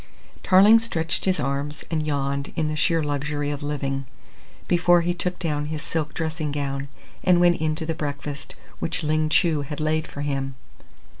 Tarling stretched his arms and yawned in the sheer luxury of living, before he took down his silk dressing gown and went in to the breakfast which Ling Chu had laid for him.